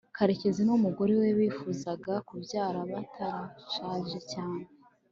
karekezi n'umugore we bifuzaga kubyara batarashaje cyane